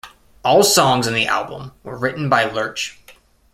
All songs on the album were written by Lerche.